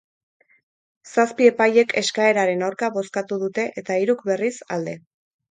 Zazpi epailek eskaeraren aurka bozkatu dute eta hiruk, berriz, alde.